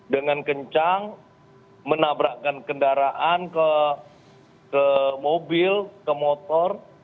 dengan kencang menabrakkan kendaraan ke mobil ke motor